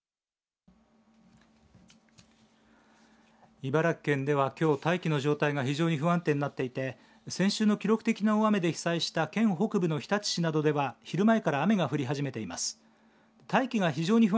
茨城県では、きょう大気の状態が非常に不安定になっていて先週の記録的な大雨で被災した県北部の日立市などでは昼前から雨が降り始めています。